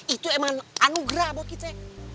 itu emang anugerah buat kita